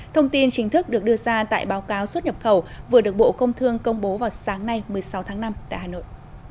thông tin chính thức được đưa ra tại báo cáo xuất nhập khẩu vừa được bộ công thương công bố vào sáng nay một mươi sáu tháng năm tại hà nội